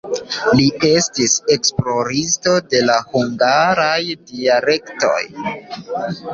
Li estis esploristo de la hungaraj dialektoj.